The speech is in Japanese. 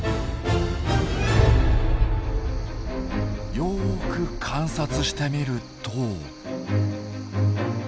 よく観察してみると。